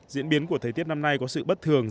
diễn biến của thời tiết năm nay có sự bất thường